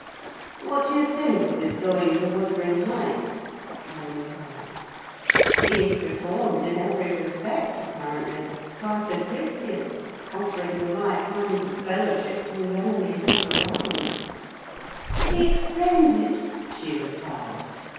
"What do you think of his going to Wuthering Heights?" I inquired. "He is reformed in every respect, apparently: quite a Christian: offering the right hand of fellowship to his enemies all around!" "He explained it," she replied.